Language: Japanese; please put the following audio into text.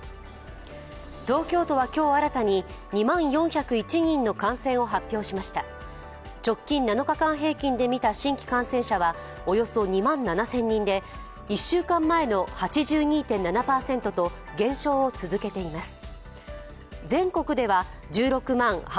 東京都は今日新たに２万４０１人の感染を発表しました直近７日間平均で見た新規感染者はおよそ２万７０００人で１週間前の８２．７％と減少を続けています。